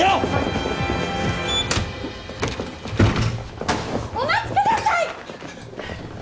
ピッお待ちください！